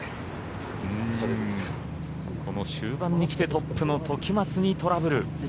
この終盤にきてトップの時松にトラブル。